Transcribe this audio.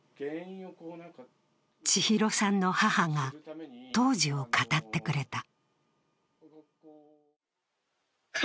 千尋さんの母が当時を語ってくれた。